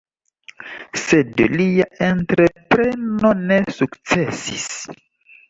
Sed lia entrepreno ne sukcesis.